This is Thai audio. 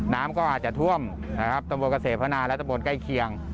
น้ำก็อาจจะท่วมตรงบนเกษฐพนาและตรงบนใกล้เคียง